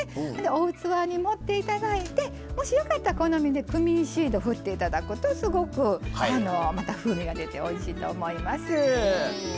お器に盛っていただいてもしよかったら好みでクミンシードを振っていただくとすごく、また風味が出ておいしいと思います。